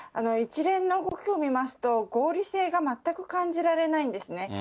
一連の動きを見ますと、合理性が全く感じられないんですね。